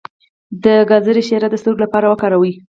د ګازرې شیره د سترګو لپاره وکاروئ